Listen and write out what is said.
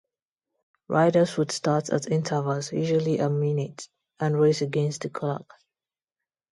Riders would start at intervals, usually a minute, and race against the clock.